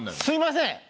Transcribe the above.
すみません